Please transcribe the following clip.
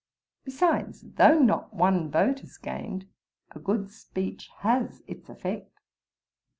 Besides, though not one vote is gained, a good speech has its effect.